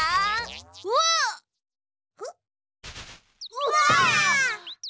うわ！